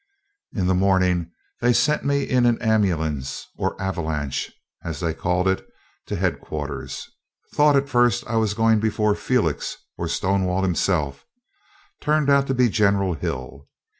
In the morning, they sent me in an ambulance or "avalanche," as they call it, to head quarters. Thought at first I was going before Felix or Stonewall himself; turned out to be General Hill.